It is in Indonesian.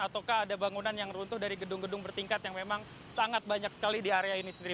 ataukah ada bangunan yang runtuh dari gedung gedung bertingkat yang memang sangat banyak sekali di area ini sendiri